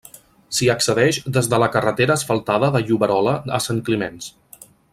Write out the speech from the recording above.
S'hi accedeix des de la carretera asfaltada de Lloberola a Sant Climenç.